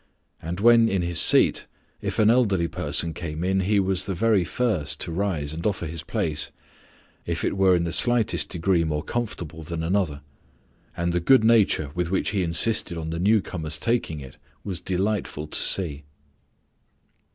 And when in his seat, if an elderly person came in, he was the very first to rise and offer his place, if it were in the slightest degree more comfortable than another; and the good nature with which he insisted on the new comer's taking it was delightful to see."